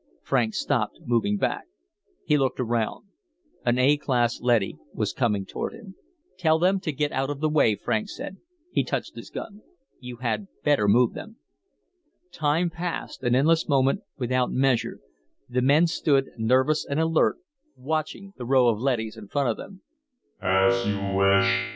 Franks stopped, moving back. He looked around. An A class leady was coming toward him. "Tell them to get out of the way," Franks said. He touched his gun. "You had better move them." Time passed, an endless moment, without measure. The men stood, nervous and alert, watching the row of leadys in front of them.